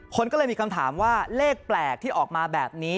คนก็เลยมีคำถามว่าเลขแปลกที่ออกมาแบบนี้